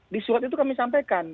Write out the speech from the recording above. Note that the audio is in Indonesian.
di surat itu kami sampaikan